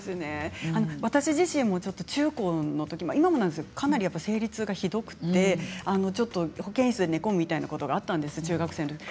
私自身も、中高のとき今もなんですがかなり生理痛がひどくて保健室で寝込むみたいなことがあったんです、中学生のとき。